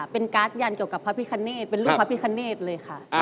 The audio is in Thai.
การ์ดยันเกี่ยวกับพระพิคเนธเป็นรูปพระพิคเนธเลยค่ะ